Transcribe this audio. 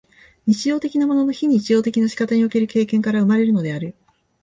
日常的なものの非日常的な仕方における経験から生まれるのである。